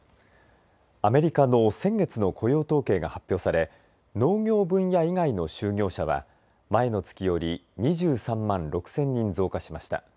アメリカの先月の雇用統計が発表され農業分野以外の就業者は前の月より２３万６０００人増加しました。